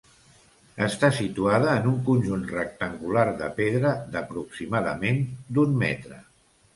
Està situada en un conjunt rectangular de pedra, d'aproximadament d'un metre.